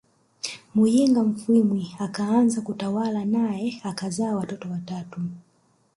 Muyinga Mfwimi akaanza kutawala nae akazaa watoto watatu